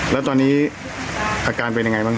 แล้วตอนนี้อาการเป็นยังไงบ้าง